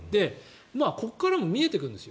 ここからも見えてくるんです。